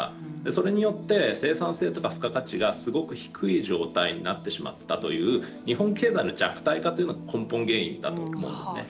それによって生産性とか付加価値がすごい低い状態になってしまったという日本経済の弱体化というのが根本原因だと思うんですね。